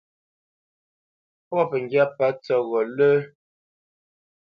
Pɔ̂ pəŋgyá pə̂ tsəghó lə́.